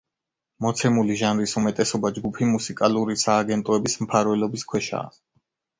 მოცემული ჟანრის უმეტესობა ჯგუფი მუსიკალური სააგენტოების მფარველობის ქვეშაა.